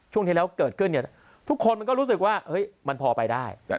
ช่วงที่แล้วเกิดขึ้นทุกคนก็รู้สึกว่ามันพอไปได้